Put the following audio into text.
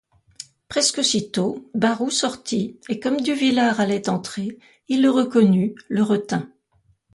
Presque aussitôt, Barroux sortit; et, comme Duvillard allait entrer, il le reconnut, le retint.